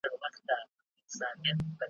څنګه د مصر په بازار کي زلیخا ووینم `